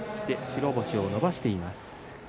白星伸ばしています。